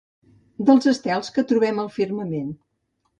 Dels estels que trobem al firmament.